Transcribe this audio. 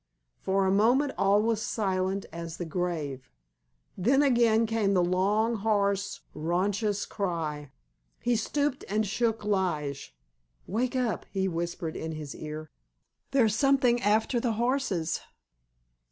For a moment all was silent as the grave. Then again came the long, hoarse, raucous cry. He stooped and shook Lige. "Wake up," he whispered in his ear, "there's something after the horses!"